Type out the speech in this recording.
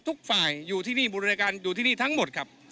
ทุกฝ่ายบริการอยู่ที่นี่ทั้งหมดครับ